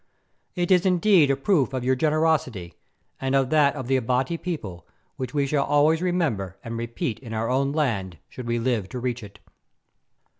It is indeed a proof of your generosity, and of that of the Abati people which we shall always remember and repeat in our own land, should we live to reach it.